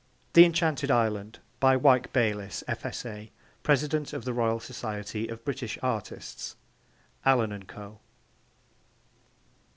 The Enchanted Island. By Wyke Bayliss, F.S.A., President of the Royal Society of British Artists. (Allen and Co.)